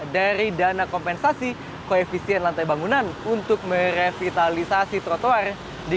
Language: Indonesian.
dari dana kompensasi koefisien lantai bangunan untuk merevitalisasi